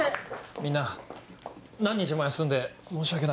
みんな何日も休んで申し訳ない。